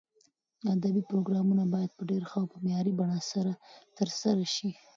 ادبي پروګرامونه باید په ډېر ښه او معیاري بڼه سره ترسره شي.